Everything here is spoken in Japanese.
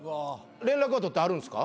連絡は取ってはるんですか？